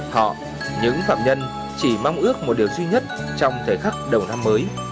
họ những phạm nhân chỉ mong ước một điều duy nhất trong thời khắc đầu năm mới